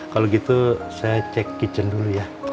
kalau gitu saya cek kitchen dulu ya